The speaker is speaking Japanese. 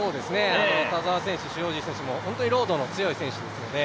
田澤選手、塩尻選手も本当にロードも強い選手ですよね。